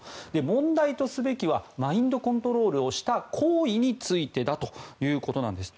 問題とすべきはマインドコントロールをした行為についてだということです。